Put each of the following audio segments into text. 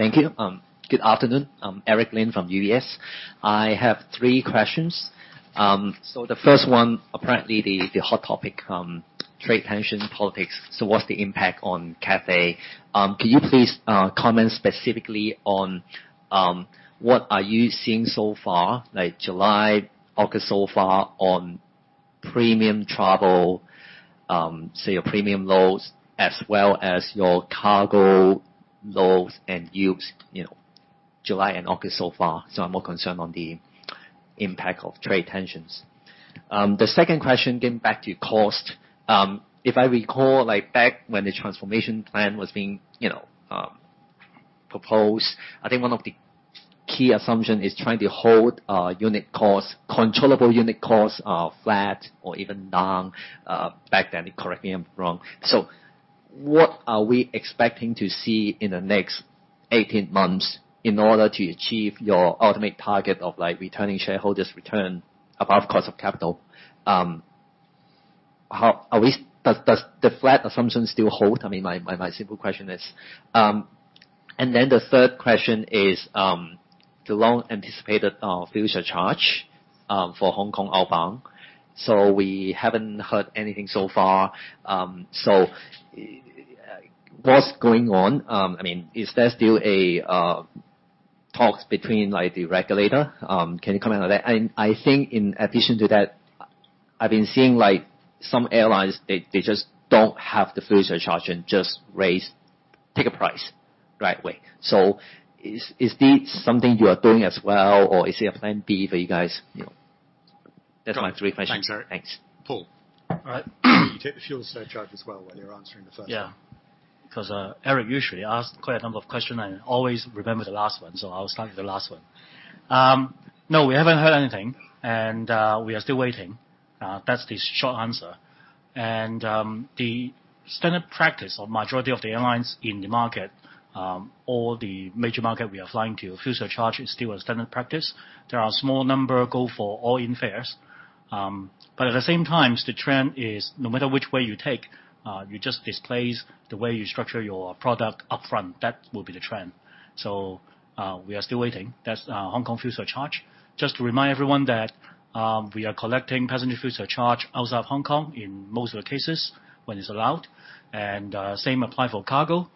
Thank you. Good afternoon. I am Eric Lin from UBS. I have three questions. The first one, apparently the hot topic, trade tension politics. What is the impact on Cathay? Can you please comment specifically on what are you seeing so far, like July, August so far on premium travel, say, your premium loads as well as your cargo loads and yields, July and August so far? I am more concerned on the impact of trade tensions. The second question, getting back to cost. If I recall, back when the transformation plan was being proposed, I think one of the key assumption is trying to hold unit cost, controllable unit cost, flat or even down, back then, correct me if I am wrong. What are we expecting to see in the next 18 months in order to achieve your ultimate target of returning shareholders' return above cost of capital? Does the flat assumption still hold? I mean, my simple question is the third question is, the long-anticipated fuel surcharge for Hong Kong outbound. We haven't heard anything so far. What is going on? Is there still talks between the regulator? Can you comment on that? I think in addition to that, I have been seeing some airlines, they just don't have the fuel surcharge and just take a price right away. Is this something you are doing as well, or is there a plan B for you guys? That is my three questions. Got it. Thanks, Eric. Thanks. Paul. All right. Can you take the fuel surcharge as well when you're answering the first one? Yeah. Eric usually asks quite a number of question and always remember the last one, I'll start with the last one. No, we haven't heard anything, we are still waiting. That's the short answer. The standard practice of majority of the airlines in the market, all the major market we are flying to, fuel surcharge is still a standard practice. There are a small number go for all-in fares. At the same time, the trend is no matter which way you take, you just displays the way you structure your product upfront. That will be the trend. We are still waiting. That's Hong Kong fuel surcharge. Just to remind everyone that we are collecting passenger fuel surcharge outside of Hong Kong in most of the cases when it's allowed, same apply for cargo,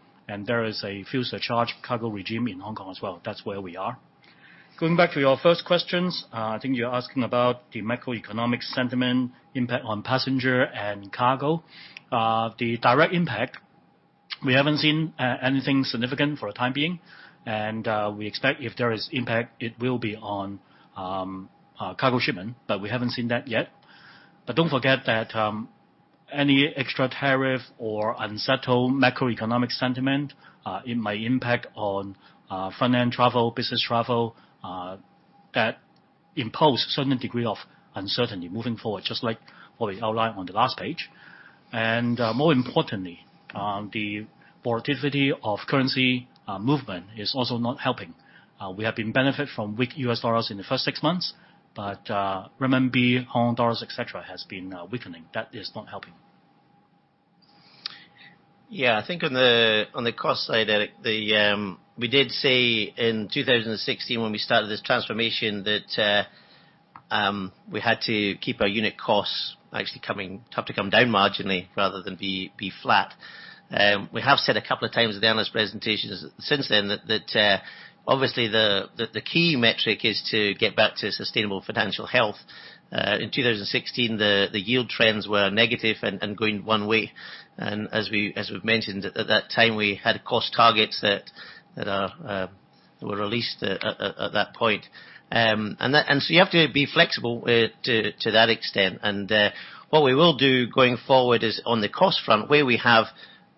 there is a cargo fuel surcharge regime in Hong Kong as well. That's where we are. Going back to your first questions, I think you're asking about the macroeconomic sentiment impact on passenger and cargo. The direct impact, we haven't seen anything significant for the time being, we expect if there is impact, it will be on cargo shipment, but we haven't seen that yet. Don't forget that any extra tariff or unsettled macroeconomic sentiment, it might impact on finance travel, business travel, that impose certain degree of uncertainty moving forward, just like what we outlined on the last page. More importantly, the volatility of currency movement is also not helping. We have been benefit from weak U.S. dollars in the first six months, Renminbi, Hong Kong dollars, et cetera, has been weakening. That is not helping. Yeah, I think on the cost side, Eric, we did say in 2016 when we started this transformation that we had to keep our unit costs actually have to come down marginally rather than be flat. We have said a couple of times at the analyst presentations since then that obviously the key metric is to get back to sustainable financial health. In 2016, the yield trends were negative and going one way, as we've mentioned, at that time we had cost targets that were released at that point. You have to be flexible to that extent. What we will do going forward is on the cost front, where we have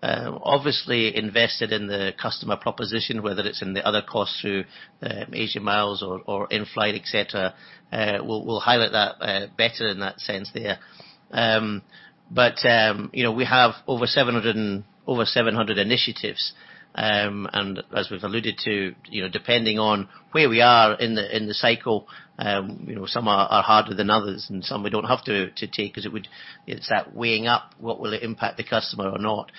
obviously invested in the customer proposition, whether it's in the other costs through Asia Miles or in-flight, et cetera, we'll highlight that better in that sense there. We have over 700 initiatives, and as we've alluded to, depending on where we are in the cycle, some are harder than others, and some we don't have to take because it's that weighing up what will it impact the customer or not.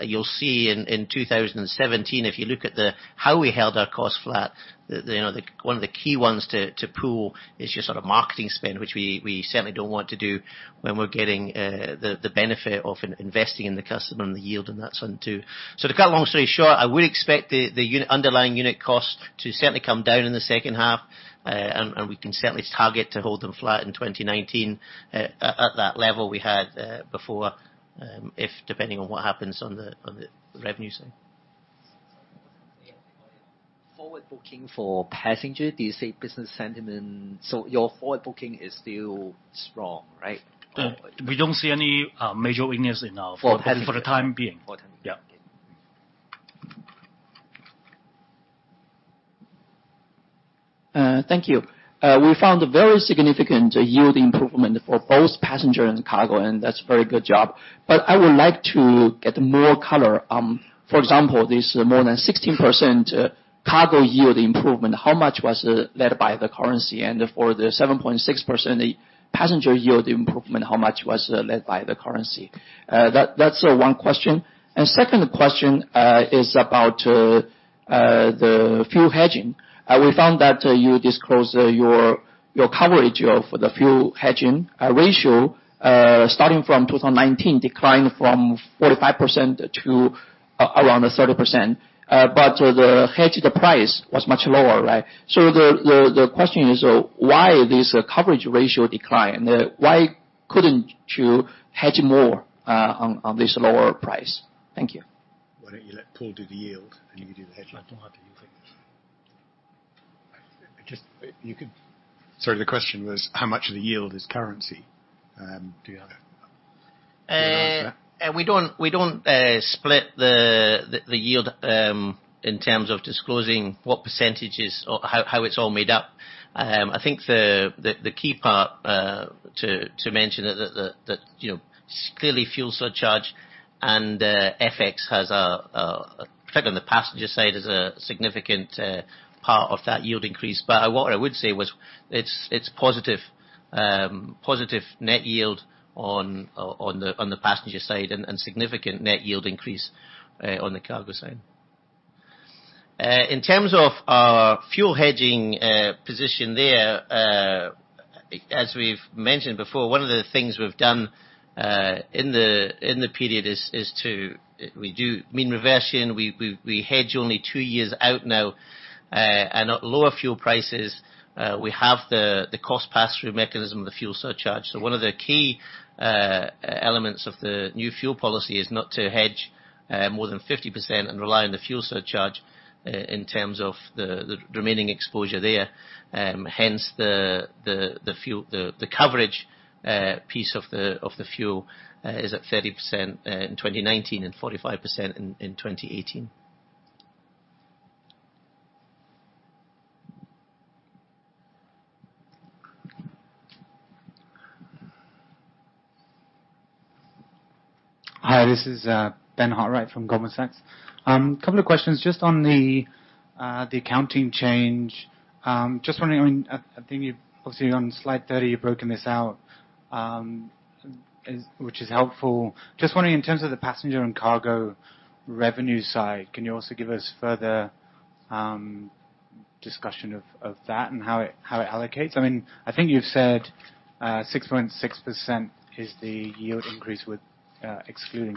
You'll see in 2017, if you look at how we held our cost flat, one of the key ones to pull is just sort of marketing spend, which we certainly don't want to do when we're getting the benefit of investing in the customer and the yield on that front too. To cut a long story short, I would expect the underlying unit cost to certainly come down in the second half. We can certainly target to hold them flat in 2019 at that level we had before, depending on what happens on the revenue side. Forward booking for passenger, your forward booking is still strong, right? We don't see any major weakness in our. For passenger for the time being. For time being. Yeah. Okay. Thank you. We found a very significant yield improvement for both passenger and cargo, and that's very good job. I would like to get more color, for example, this more than 16% Cargo yield improvement, how much was led by the currency? For the 7.6% passenger yield improvement, how much was led by the currency? That's one question. Second question is about the fuel hedging. We found that you disclose your coverage of the fuel hedging ratio, starting from 2019, declined from 45% to around 30%. The hedge, the price, was much lower, right? The question is why this coverage ratio decline? Why couldn't you hedge more on this lower price? Thank you. Why don't you let Paul do the yield, and you do the hedging? I'm happy with either. Sorry, the question was how much of the yield is currency? Do you want to answer? We don't split the yield in terms of disclosing what percentages or how it's all made up. I think the key part to mention that clearly fuel surcharge and FX has a, particularly on the passenger side, is a significant part of that yield increase. What I would say was it's positive net yield on the passenger side and significant net yield increase on the cargo side. In terms of our fuel hedging position there, as we've mentioned before, one of the things we've done in the period is to, we do mean reversion. We hedge only two years out now. At lower fuel prices, we have the cost pass-through mechanism of the fuel surcharge. One of the key elements of the new fuel policy is not to hedge more than 50% and rely on the fuel surcharge in terms of the remaining exposure there. Hence, the coverage piece of the fuel is at 30% in 2019 and 45% in 2018. Hi, this is Ben Hartwright from Goldman Sachs. Couple of questions just on the accounting change. I think you've obviously, on slide 30, you've broken this out, which is helpful. Just wondering, in terms of the passenger and cargo revenue side, can you also give us further discussion of that and how it allocates? I think you've said 6.6% is the yield increase with excluding.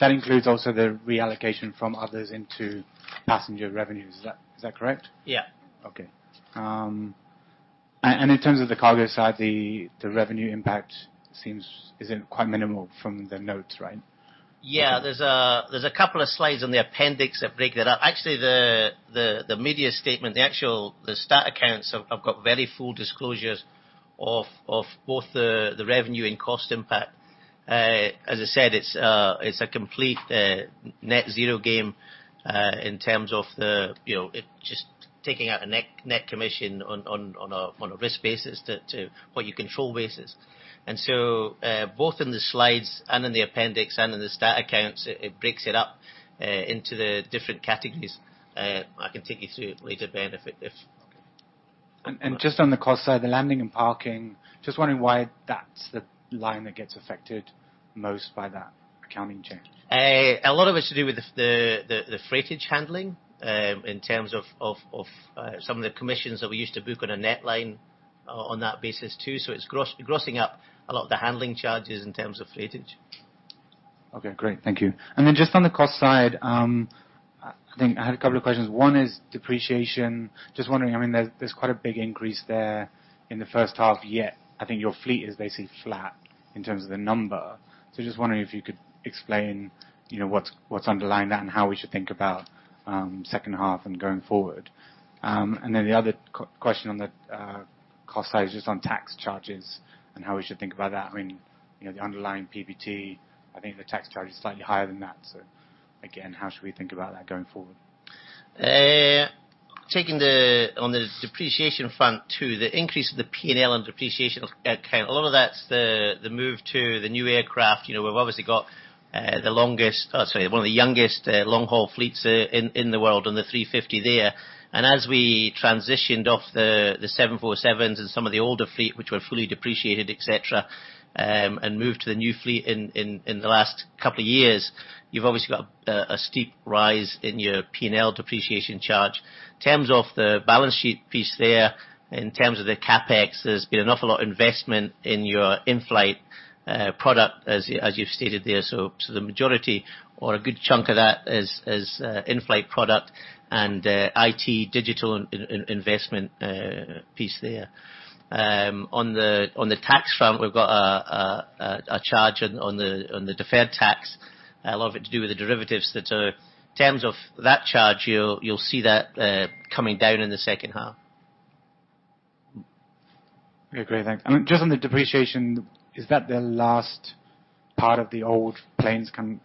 That includes also the reallocation from others into passenger revenues. Is that correct? Yeah. Okay. In terms of the cargo side, the revenue impact seems isn't quite minimal from the notes, right? Yeah. There's a couple of slides on the appendix that break that up. Actually, the media statement, the stat accounts have got very full disclosures of both the revenue and cost impact. As I said, it's a complete net zero game, in terms of just taking out a net commission on a risk basis to what you control basis. Both in the slides and in the appendix and in the stat accounts, it breaks it up into the different categories. I can take you through it later, Ben, if. Okay. Just on the cost side, the landing and parking, just wondering why that's the line that gets affected most by that accounting change. A lot of it is to do with the freightage handling, in terms of some of the commissions that we used to book on a net line on that basis too. It's grossing up a lot of the handling charges in terms of freightage. Okay, great. Thank you. Just on the cost side, I think I had a couple of questions. One is depreciation. Just wondering, there's quite a big increase there in the first half, yet I think your fleet is basically flat in terms of the number. Just wondering if you could explain what's underlying that and how we should think about second half and going forward. The other question on the cost side is just on tax charges and how we should think about that. The underlying PBT, I think the tax charge is slightly higher than that. Again, how should we think about that going forward? On the depreciation front too, the increase of the P&L and depreciation account, a lot of that's the move to the new aircraft. We've obviously got one of the youngest long-haul fleets in the world on the 350 there. As we transitioned off the 747s and some of the older fleet, which were fully depreciated, et cetera, and moved to the new fleet in the last couple of years, you've obviously got a steep rise in your P&L depreciation charge. In terms of the balance sheet piece there, in terms of the CapEx, there's been an awful lot investment in your in-flight product, as you've stated there. The majority or a good chunk of that is in-flight product and IT digital investment piece there. On the tax front, we've got a charge on the deferred tax, a lot of it to do with the derivatives that are. In terms of that charge, you'll see that coming down in the second half. Okay, great. Thanks. Just on the depreciation, is that the last part of the old planes coming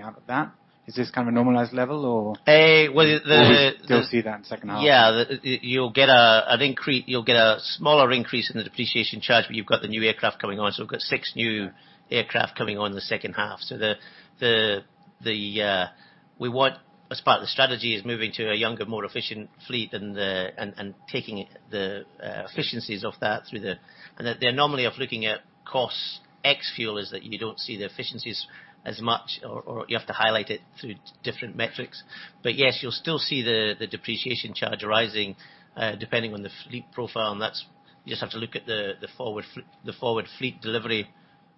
out of that? Is this kind of a normalized level or? Well. We still see that in second half? Yeah. You'll get a smaller increase in the depreciation charge, but you've got the new aircraft coming on. We've got six new aircraft coming on in the second half. We want, as part of the strategy, is moving to a younger, more efficient fleet and taking the efficiencies of that through the That the anomaly of looking at costs ex fuel is that you don't see the efficiencies as much, or you have to highlight it through different metrics. Yes, you'll still see the depreciation charge rising, depending on the fleet profile. That's, you just have to look at the forward fleet delivery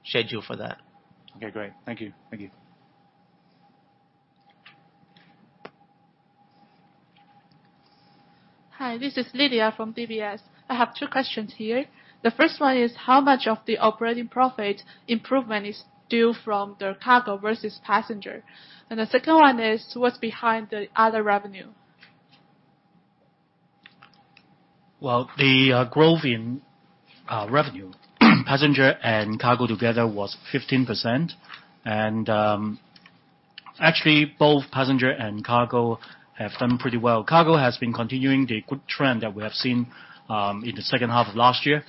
schedule for that. Okay, great. Thank you. Hi, this is Lydia from DBS. I have two questions here. The first one is, how much of the operating profit improvement is due from the cargo versus passenger? The second one is, what's behind the other revenue? Well, the growth in revenue, passenger and cargo together was 15%. Actually both passenger and cargo have done pretty well. Cargo has been continuing the good trend that we have seen in the second half of last year.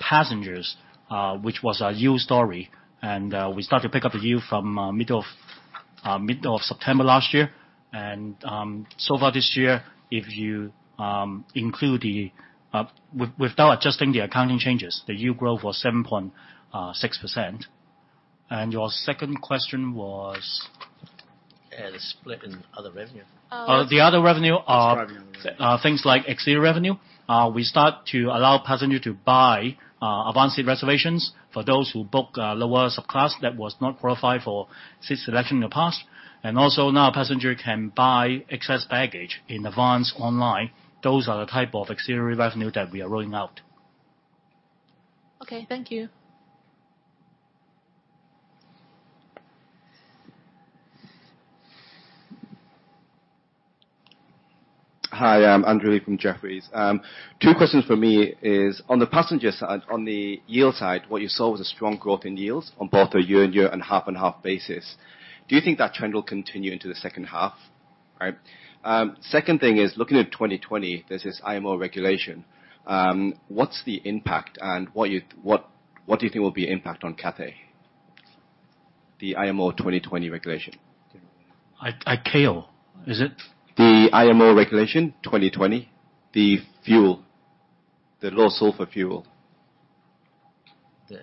Passengers, which was a yield story, and we start to pick up the yield from mid of September last year. So far this year, without adjusting the accounting changes, the yield growth was 7.6%. Your second question was? The split in other revenue. Oh, the other revenue are. Describing the revenue things like auxiliary revenue. We start to allow passenger to buy advanced seat reservations for those who book lower subclass, that was not qualified for seat selection in the past. Also now passenger can buy excess baggage in advance online. Those are the type of auxiliary revenue that we are rolling out. Okay, thank you. Hi, Andrew Lee from Jefferies. Two questions from me is, on the passenger side, on the yield side, what you saw was a strong growth in yields on both a year-over-year and half-over-half basis. Do you think that trend will continue into the second half? All right. Second thing is, looking at 2020, there is this IMO regulation. What is the impact and what do you think will be the impact on Cathay? The IMO 2020 regulation. IMO, is it? The IMO regulation 2020, the fuel, the low sulfur fuel. The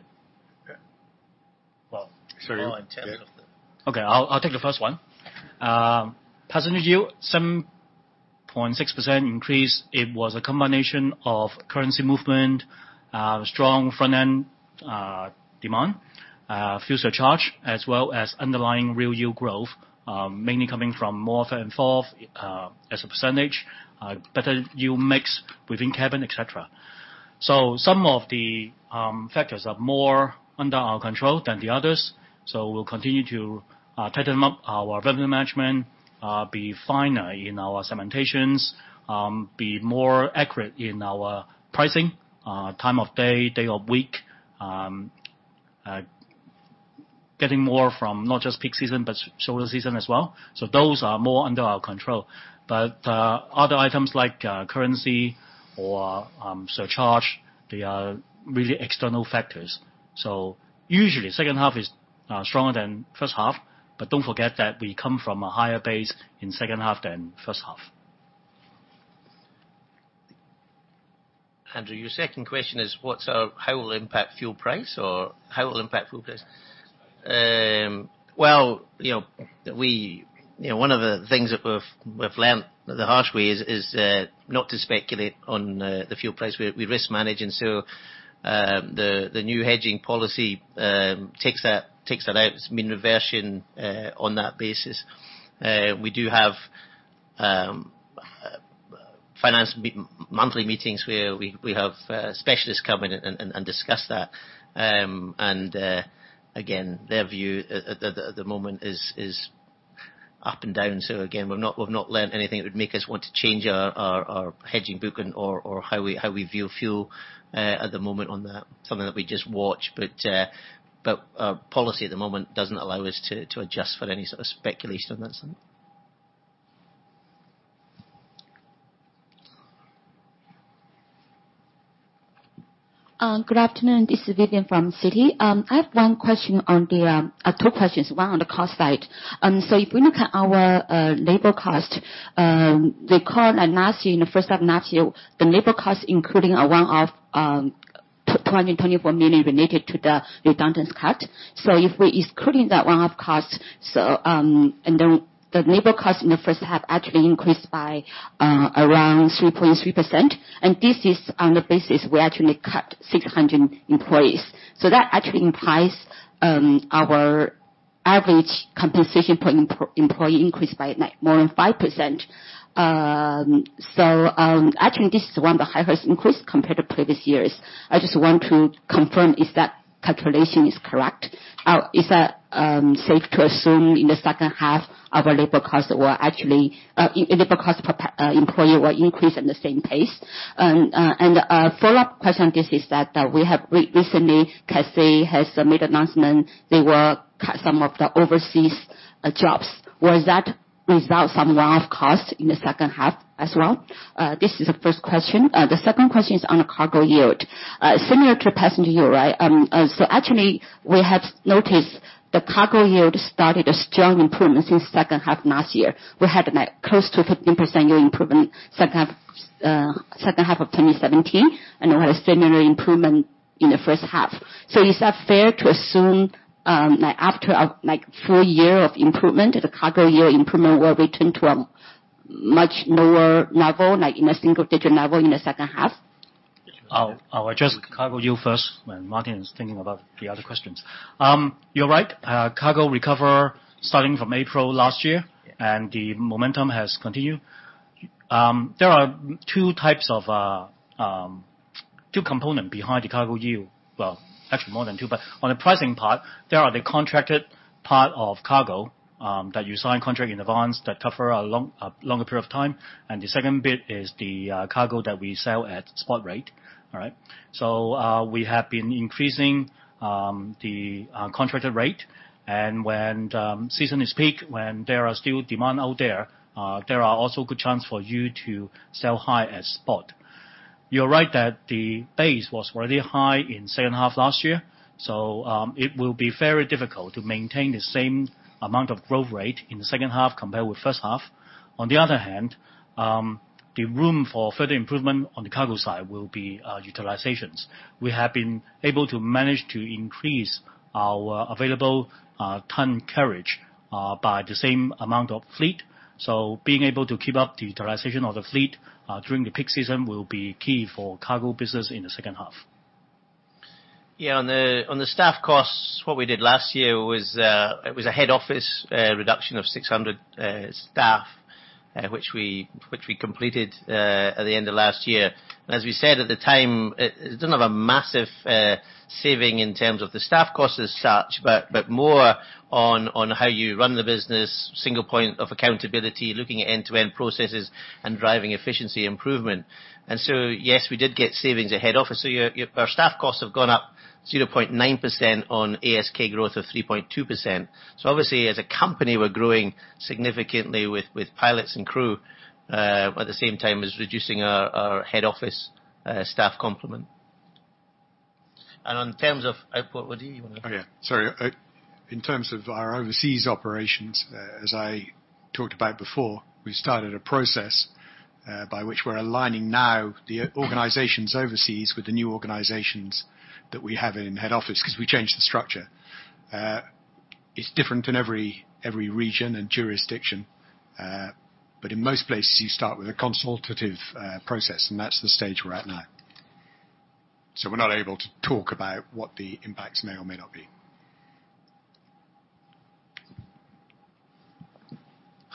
Yeah. Well. Sure. Well, in terms of the. Okay, I'll take the first one. Passenger yield, 7.6% increase, it was a combination of currency movement, strong front end demand, fuel surcharge, as well as underlying real yield growth, mainly coming from more fare and flow, as a percentage, better yield mix within cabin, et cetera. Some of the factors are more under our control than the others, we'll continue to tighten up our revenue management, be finer in our segmentations, be more accurate in our pricing, time of day of week, getting more from not just peak season, but shoulder season as well. Those are more under our control. Other items like currency or surcharge, they are really external factors. Usually, second half is stronger than first half, but don't forget that we come from a higher base in second half than first half. Andrew Lee, your second question is, how will it impact fuel price? One of the things that we've learnt the harsh way is, not to speculate on the fuel price. We risk manage, the new hedging policy takes that out. It's mean reversion on that basis. We do have monthly meetings where we have specialists come in and discuss that. Again, their view at the moment is up and down. Again, we've not learnt anything that would make us want to change our hedging booking or how we view fuel at the moment on that. Something that we just watch. Our policy at the moment doesn't allow us to adjust for any sort of speculation on that. Good afternoon, this is Vivian from Citi. I have two questions. One on the cost side. If we look at our labor cost, the call last year, in the first half of last year, the labor cost including a one-off, 224 million related to the redundancy cut. If we're excluding that one-off cost, the labor cost in the first half actually increased by around 3.3%. This is on the basis we actually cut 600 employees. That actually implies, our average compensation per employee increased by more than 5%. Actually this is one of the highest increase compared to previous years. I just want to confirm is that calculation is correct? Is that safe to assume in the second half, our labor cost per employee will increase at the same pace? A follow-up question on this is that, we have read recently, Cathay has made announcement they will cut some of the overseas jobs. Will that result some one-off costs in the second half as well? This is the first question. The second question is on the cargo yield. Similar to passenger yield, right? Actually, we have noticed the cargo yield started a strong improvement since second half last year. We had close to 15% yield improvement second half of 2017, and we had a similar improvement in the first half. Is that fair to assume after a full year of improvement, the cargo year improvement will return to a much lower level, like in a single-digit level in the second half? I'll address cargo yield first, when Martin is thinking about the other questions. You're right. Cargo recover starting from April last year, and the momentum has continued. There are 2 components behind the cargo yield. Well, actually more than 2. On the pricing part, there are the contracted part of cargo, that you sign contract in advance that cover a longer period of time. The second bit is the cargo that we sell at spot rate. All right? We have been increasing the contracted rate. When season is peak, when there are still demand out there are also good chance for you to sell high at spot. You're right that the base was already high in second half last year, it will be very difficult to maintain the same amount of growth rate in the second half compared with first half. On the other hand, the room for further improvement on the cargo side will be utilizations. We have been able to manage to increase our available tonne kilometres by the same amount of fleet. Being able to keep up the utilization of the fleet during the peak season will be key for cargo business in the second half. On the staff costs, what we did last year was, it was a head office reduction of 600 staff, which we completed at the end of last year. As we said at the time, it doesn't have a massive saving in terms of the staff costs as such, but more on how you run the business, single point of accountability, looking at end-to-end processes and driving efficiency improvement. Yes, we did get savings at head office. Our staff costs have gone up 0.9% on ASK growth of 3.2%. Obviously, as a company, we're growing significantly with pilots and crew, at the same time as reducing our head office staff complement. Sorry. In terms of our overseas operations, as I talked about before, we started a process by which we're aligning now the organizations overseas with the new organizations that we have in head office, because we changed the structure. It's different in every region and jurisdiction. In most places, you start with a consultative process, and that's the stage we're at now. We're not able to talk about what the impacts may or may not be.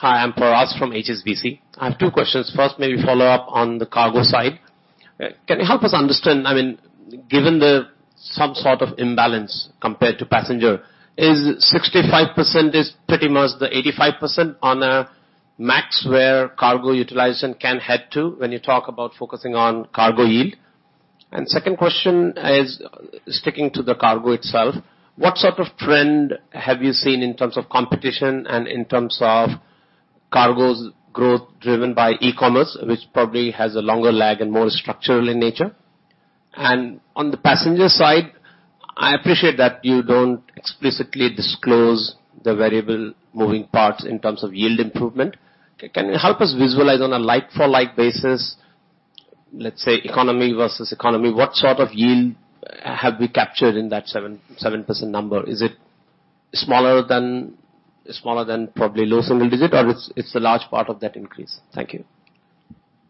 Hi, I'm Parash from HSBC. I have two questions. First, maybe follow up on the cargo side. Can you help us understand, given the some sort of imbalance compared to passenger, is 65% is pretty much the 85% on a max where cargo utilization can head to when you talk about focusing on cargo yield? Second question is sticking to the cargo itself. What sort of trend have you seen in terms of competition and in terms of cargo's growth driven by e-commerce, which probably has a longer lag and more structural in nature? On the passenger side, I appreciate that you don't explicitly disclose the variable moving parts in terms of yield improvement. Can you help us visualize on a like for like basis, let's say economy versus economy, what sort of yield have we captured in that 7% number? Is it smaller than probably low single digit, or it's a large part of that increase? Thank you.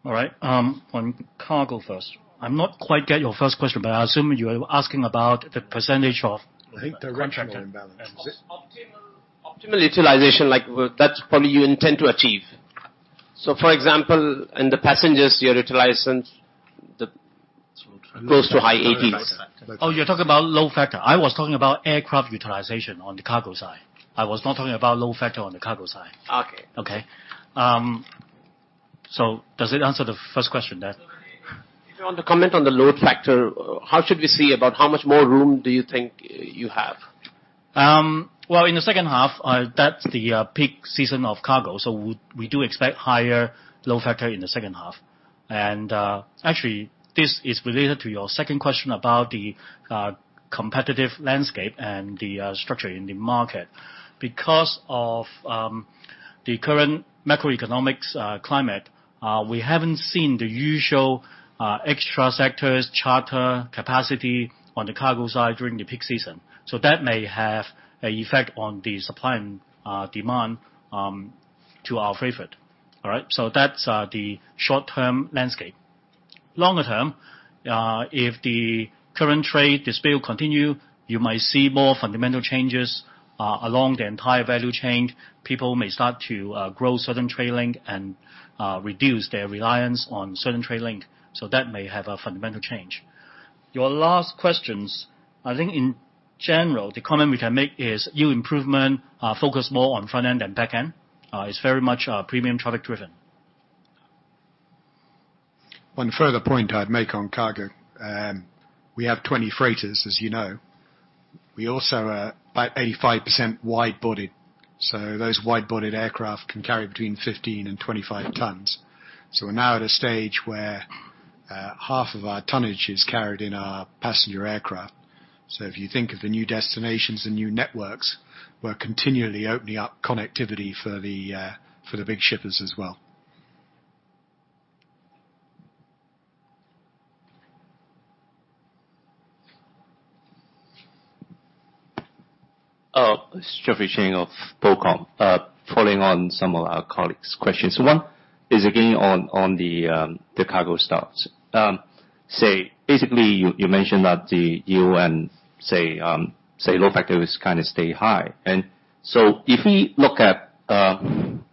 All right. On cargo first. I'm not quite get your first question, but I assume you are asking about the percentage of- I think the cargo imbalance. Is it? Optimal utilization like that probably you intend to achieve. For example, in the passengers, your utilization goes to high 80s. Oh, you're talking about load factor. I was talking about aircraft utilization on the cargo side. I was not talking about load factor on the cargo side. Okay. Okay? Does it answer the first question then? If you want to comment on the load factor, how should we see about how much more room do you think you have? In the second half, that's the peak season of cargo. We do expect higher load factor in the second half. Actually, this is related to your second question about the competitive landscape and the structure in the market. Because of the current macroeconomic climate, we haven't seen the usual extra sectors charter capacity on the cargo side during the peak season. That may have an effect on the supply and demand to our freight. All right. That's the short-term landscape. Longer term, if the current trade dispute continues, you might see more fundamental changes along the entire value chain. People may start to grow certain trade link and reduce their reliance on certain trade link. That may have a fundamental change. Your last question, I think in general, the comment we can make is yield improvement is focused more on front end than back end. It's very much premium traffic driven. One further point I'd make on cargo. We have 20 freighters, as you know. We also are about 85% wide-bodied. Those wide-bodied aircraft can carry between 15 and 25 tons. We're now at a stage where. Half of our tonnage is carried in our passenger aircraft. If you think of the new destinations and new networks, we're continually opening up connectivity for the big shippers as well. Geoffrey Cheng of BOCOM. Following on some of our colleagues' questions. One is, again, on the cargo stats. Basically, you mentioned that the yield and load factor is kind of stay high. If we look at the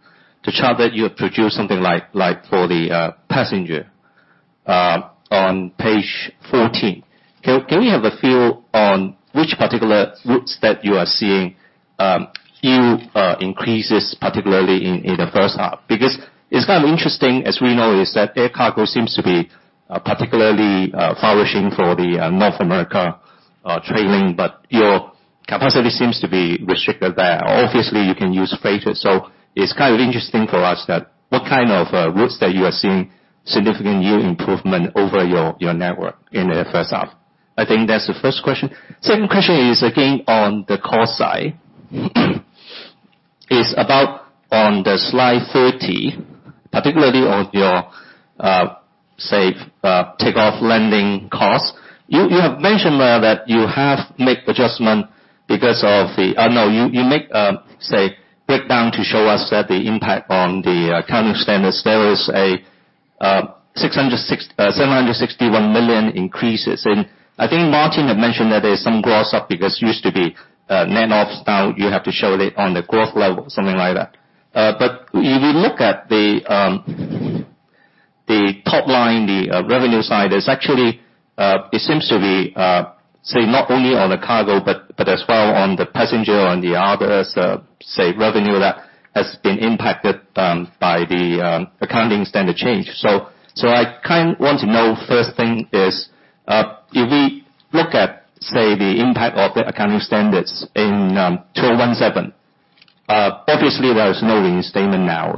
chart that you have produced for the passenger on page 14, can we have a feel on which particular routes that you are seeing yield increases, particularly in the first half? Because it is kind of interesting, as we know, is that air cargo seems to be particularly flourishing for the North America trading, but your capacity seems to be restricted there. Obviously, you can use freighter. It is kind of interesting for us that what kind of routes that you are seeing significant yield improvement over your network in the first half? I think that's the first question. Second question is, again, on the cost side. Is about on the slide 30, particularly on your, take-off landing cost. You have mentioned that you have make adjustment because of the No. You make breakdown to show us that the impact on the accounting standards, there is a 761 million increases. I think Martin had mentioned that there's some gross up because it used to be net-offs. Now you have to show it on the gross level, something like that. But if we look at the top line, the revenue side, it seems to be, not only on the cargo but as well on the passenger, on the others, revenue that has been impacted by the accounting standard change. I kind of want to know, first thing is, if we look at, the impact of the accounting standards in 2017, obviously, there is no reinstatement now.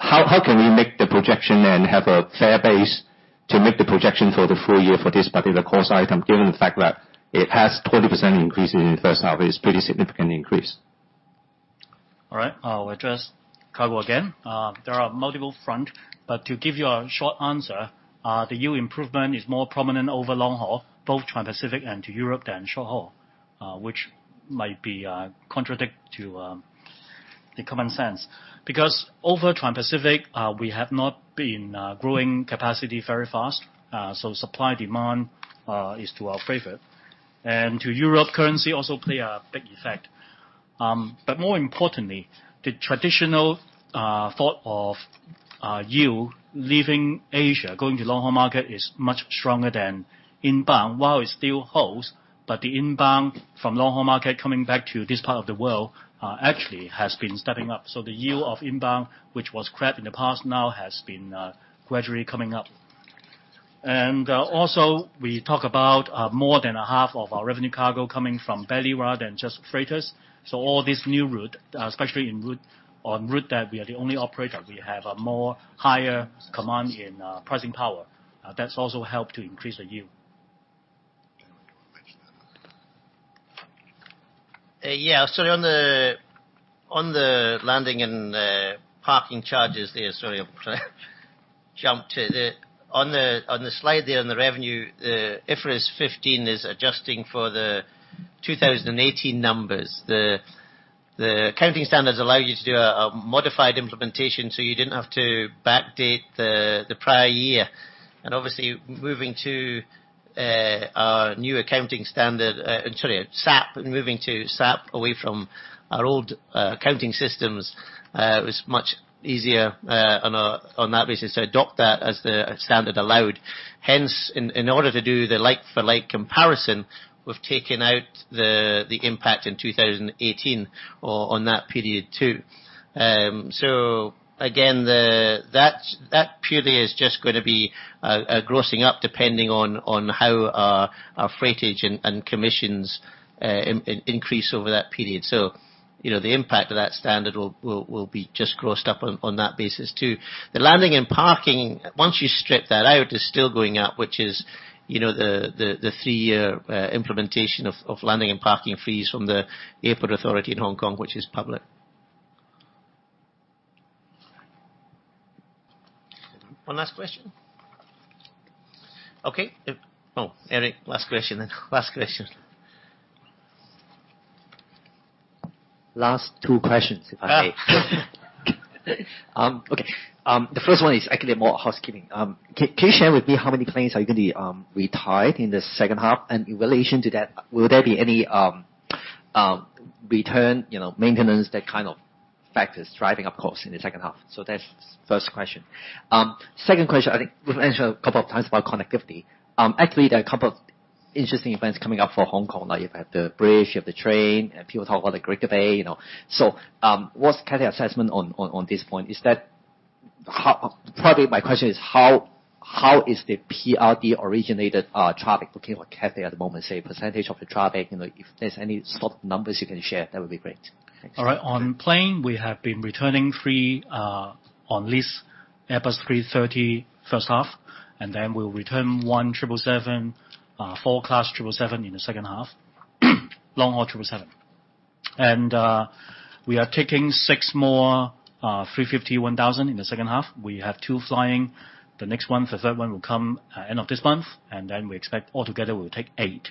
How can we make the projection and have a fair base to make the projection for the full year for this particular cost item, given the fact that it has 20% increase in the first half? It's pretty significant increase. I'll address cargo again. There are multiple front, but to give you a short answer, the yield improvement is more prominent over long haul, both Transpacific and to Europe than short haul, which might be contradict to the common sense. Because over Transpacific, we have not been growing capacity very fast, so supply-demand is to our favor. And to Europe, currency also play a big effect. But more importantly, the traditional thought of yield leaving Asia, going to long-haul market is much stronger than inbound, while it still holds. But the inbound from long-haul market coming back to this part of the world actually has been stepping up. So the yield of inbound, which was crap in the past now has been gradually coming up. And also, we talk about more than a half of our revenue cargo coming from belly rather than just freighters. All this new route, especially on route that we are the only operator, we have a more higher command in pricing power. That's also helped to increase the yield. Yeah. Sorry, on the landing and parking charges there. Sorry I jumped it. On the slide there on the revenue, IFRS 15 is adjusting for the 2018 numbers. The accounting standards allow you to do a modified implementation, you didn't have to backdate the prior year. Obviously, moving to our new accounting standard, sorry, SAP, and moving to SAP away from our old accounting systems, it was much easier on that basis to adopt that as the standard allowed. Hence, in order to do the like for like comparison, we've taken out the impact in 2018 on that period too. Again, that purely is just going to be a grossing up depending on how our freightage and commissions increase over that period. The impact of that standard will be just grossed up on that basis too. The landing and parking, once you strip that out, is still going up, which is the three-year implementation of landing and parking fees from the Airport Authority Hong Kong, which is public. One last question? Okay. Oh, Eric, last question then. Last question. Last two questions, if I may. The first one is more housekeeping. Can you share with me how many planes are going to be retired in the second half? In relation to that, will there be any return, maintenance, that kind of factors driving up cost in the second half? That's first question. Second question, I think we've mentioned a couple of times about connectivity. There are a couple of interesting events coming up for Hong Kong. You have the bridge, you have the train, and people talk about the Greater Bay. What's Cathay assessment on this point? Probably my question is how is the PRD originated traffic looking like Cathay at the moment? Say, percentage of the traffic, if there's any sort of numbers you can share, that would be great. Thanks. All right. On plane, we have been returning three on lease Airbus A330 first half. We'll return one Boeing 777, four class Boeing 777 in the second half. Long haul Boeing 777. We are taking six more Airbus A350-1000 in the second half. We have two flying. The next one, the third one, will come end of this month. We expect altogether we'll take eight.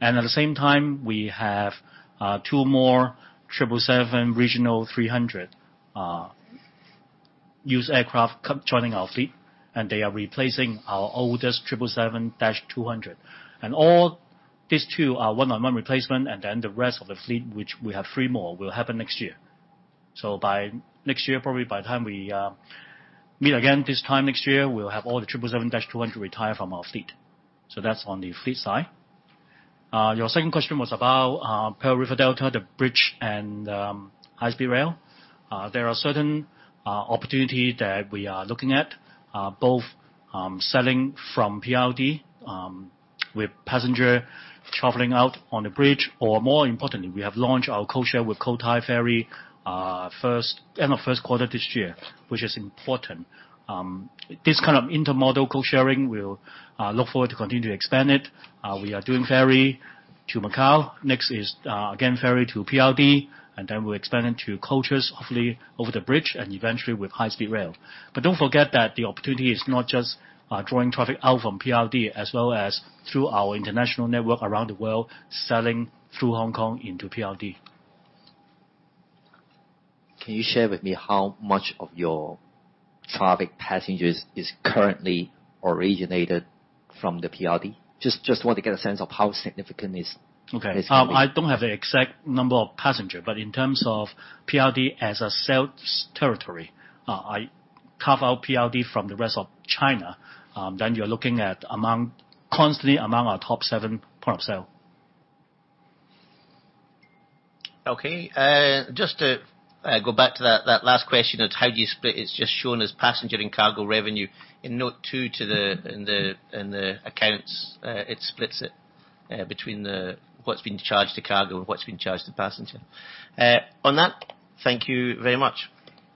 We have two more Boeing 777 regional 300 used aircraft joining our fleet. They are replacing our oldest Boeing 777-200. All these two are one-on-one replacement. The rest of the fleet, which we have three more, will happen next year. By next year, probably by the time we meet again this time next year, we'll have all the Boeing 777-200 retired from our fleet. That's on the fleet side. Your second question was about Pearl River Delta, the bridge, and high-speed rail. There are certain opportunities that we are looking at, both selling from PRD with passenger traveling out on the bridge or, more importantly, we have launched our code share with Cotai Water Jet end of first quarter this year, which is important. This kind of intermodal code sharing, we'll look forward to continue to expand it. We are doing ferry to Macau. Ferry to PRD. We'll expand it to coaches, hopefully over the bridge, and eventually with high-speed rail. Don't forget that the opportunity is not just drawing traffic out from PRD, as well as through our international network around the world, selling through Hong Kong into PRD. Can you share with me how much of your traffic passengers is currently originated from the PRD? Just want to get a sense of how significant it is. Okay. I don't have the exact number of passenger, but in terms of PRD as a sales territory, I carve out PRD from the rest of China, then you're looking at constantly among our top seven point of sale. Okay. Just to go back to that last question of how do you split, it's just shown as passenger and cargo revenue. In note two in the accounts, it splits it between what's been charged to cargo and what's been charged to passenger. On that, thank you very much.